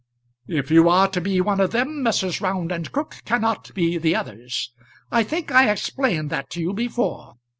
"If you are to be one of them, Messrs. Round and Crook cannot be the others. I think I explained that to you before.